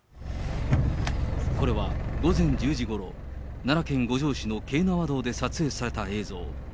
これは午前１０時ごろ、奈良県五條市の京奈和道で撮影された映像。